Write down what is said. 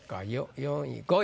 ４位５位。